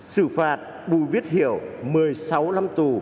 xử phạt bùi viết hiểu một mươi sáu năm tù